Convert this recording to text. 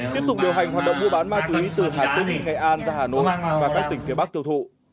tiếp tục điều hành hoạt động mua bán ma túy từ hà tĩnh nghệ an ra hà nội và các tỉnh phía bắc tiêu thụ